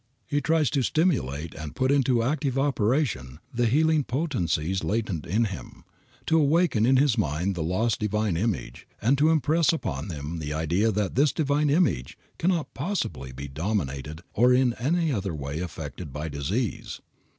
He tries to stimulate and to put into active operation the healing potencies latent in him, to awaken in his mind the lost divine image, and to impress upon him the idea that this divine image cannot possibly be dominated or in any way affected by disease.